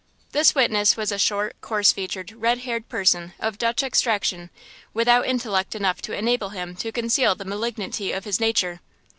This witness was a short, coarse featured, red haired person of Dutch extraction, without intellect enough to enable him to conceal the malignity of his nature.